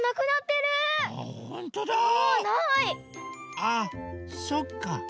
ああそっか。